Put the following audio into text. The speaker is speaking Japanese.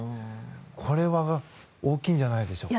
これは大きいんじゃないですか。